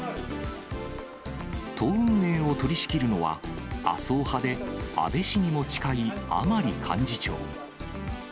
党運営を取りしきるのは、麻生派で、安倍氏にも近い甘利幹事長。